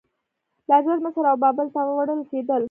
لاجورد مصر او بابل ته وړل کیدل